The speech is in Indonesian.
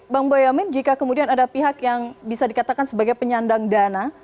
bang boyamin jika kemudian ada pihak yang bisa dikatakan sebagai penyandang dana